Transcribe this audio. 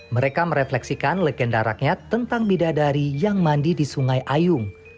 mereka merefleksikan legenda rakyat tentang bidadari yang mandi di sungai ayung